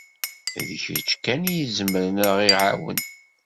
D kečč kan i izemren ad ɣ-iɛawen.